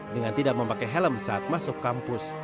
dengan tidak memakai helm saat masuk kampus